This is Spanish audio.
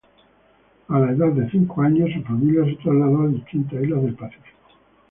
A la edad de cinco, su familia se trasladó a distintas islas del Pacífico.